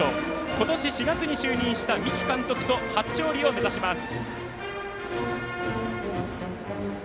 今年４月に就任した三木監督と初勝利を目指します。